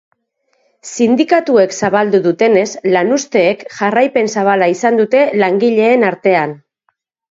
Sindikatuek zabaldu dutenez, lanuzteek jarraipen zabala izan dute langileen artean.